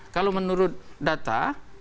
kalau menurut data